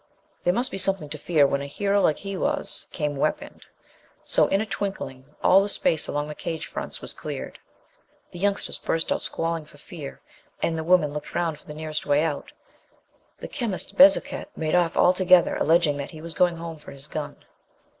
There must be something to fear when a hero like he was, came weaponed; so, in a twinkling, all the space along the cage fronts was cleared. The youngsters burst out squalling for fear, and the women looked round for the nearest way out. The chemist Bezuquet made off altogether, alleging that he was going home for his gun.